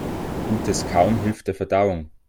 Gutes Kauen hilft der Verdauung.